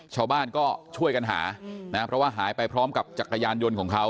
ชาวบ้านก็ช่วยกันหานะเพราะว่าหายไปพร้อมกับจักรยานยนต์ของเขา